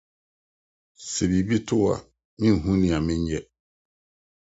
Sɛ biribi to wo a, minhu nea menyɛ.